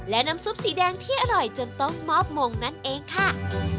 และน้ำซุปสีแดงที่อร่อยจนต้องมอบมงนั่นเองค่ะ